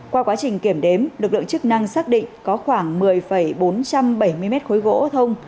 qua quá trình kiểm đếm lực lượng chức năng xác định có khoảng một mươi bốn trăm bảy mươi mét khối gỗ thông